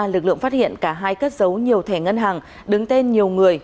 lực lượng phát hiện cả hai cất giấu nhiều thẻ ngân hàng đứng tên nhiều người